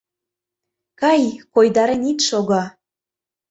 Кай, койдарен ит шого!